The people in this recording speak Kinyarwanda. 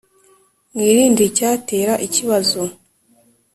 Mwirinde icyatera ikibazo.